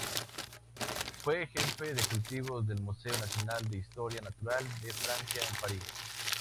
Fue Jefe de cultivos del Museo Nacional de Historia Natural de Francia, en París.